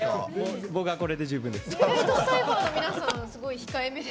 僕はこれで十分です。